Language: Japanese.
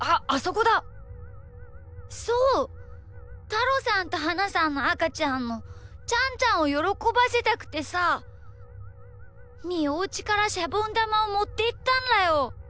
たろさんとはなさんのあかちゃんのちゃんちゃんをよろこばせたくてさみーおうちからシャボンだまをもっていったんだよ。